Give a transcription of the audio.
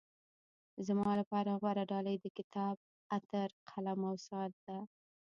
زما لپاره غوره ډالۍ د کتاب، عطر، قلم او ساعت ده.